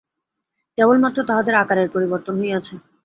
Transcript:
কেবলমাত্র তাহাদের আকারের পরিবর্তন হইয়াছে।